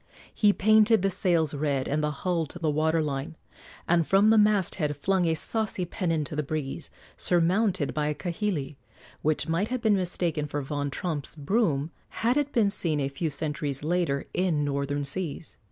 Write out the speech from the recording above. He painted the sails red and the hull to the water line, and from the masthead flung a saucy pennon to the breeze, surmounted by a kahili, which might have been mistaken for Von Tromp's broom had it been seen a few centuries later in northern seas.